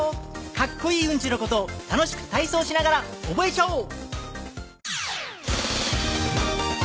カッコイイうんちのことを楽しくたいそうしながらおぼえちゃおう。